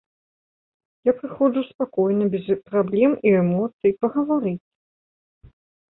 Я прыходжу, спакойна, без праблем і эмоцый, пагаварыць.